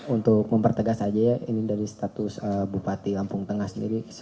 untuk mempertegas saja ya ini dari status bupati lampung tengah sendiri